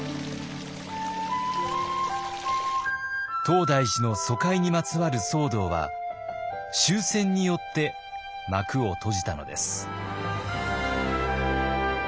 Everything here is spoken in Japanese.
東大寺の疎開にまつわる騒動は終戦によって幕を閉じたのです。